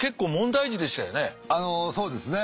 あのそうですね。